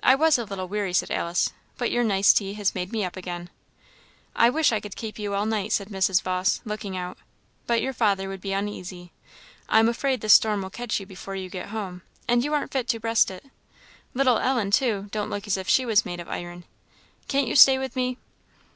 "I was a little weary," said Alice, "but your nice tea has made me up again." "I wish I could keep you all night," said Mrs. Vawse, looking out; "but your father would be uneasy. I am afraid the storm will catch you before you get home; and you aren't fit to breast it. Little Ellen, too, don't look as if she was made of iron. Can't you stay with me?"